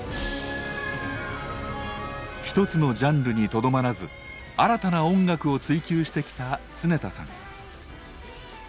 一つのジャンルにとどまらず新たな音楽を追究してきた常田さん。